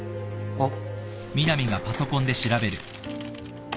あっ？